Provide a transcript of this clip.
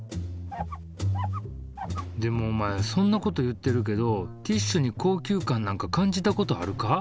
でもお前そんなこと言ってるけどティッシュに高級感なんか感じたことあるか？